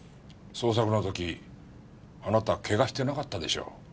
捜索の時あなたけがしてなかったでしょう？